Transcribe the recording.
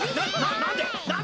ななんで？